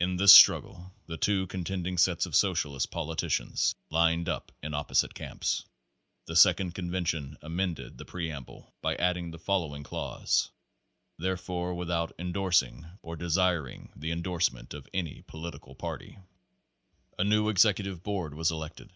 In this struggle the two contending sets of socialist politicians lined up in opposite camps. The Second convention amended the Preamble by adding the following clause : "Therefore without endorsing or desiring the en dorsement of any political party." A new executive board was elected.